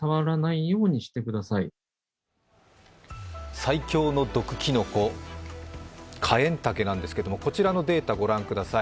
最強の毒きのこ、カエンタケですが、こちらのデータ御覧ください。